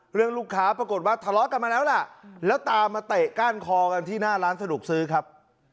เรื่องลูกค้าปรากฏว่าทะเลาะกันมาแล้วล่ะแล้วตามมาเตะก้านคอกันที่หน้าร้านสะดวกซื้อครับ